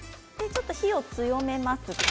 ちょっと火を強めますか？